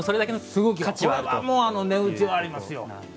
もう、値打ちはありますよ。